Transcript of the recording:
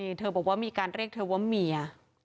นี่เธอบอกว่ามีการเรียกเธอว่าเมีย